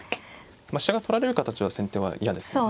まあ飛車が取られる形は先手は嫌ですね。